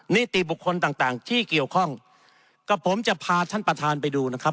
นิติบุคคลต่างต่างที่เกี่ยวข้องกับผมจะพาท่านประธานไปดูนะครับ